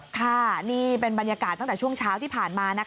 ค่ะนี่เป็นบรรยากาศตั้งแต่ช่วงเช้าที่ผ่านมา